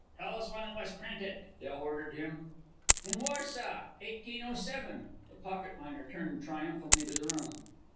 "Tell us when it was printed," Del ordered him. "In Warsaw, 1807." The pocket miner turned triumphantly to the room.